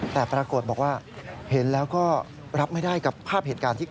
แต่ปรากฏบอกว่าเห็นแล้วก็รับไม่ได้กับภาพ